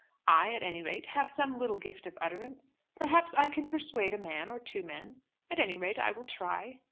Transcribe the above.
I at any rate have some little gift of utterance. Perhaps I can persuade a man, or two men. At any rate I will try."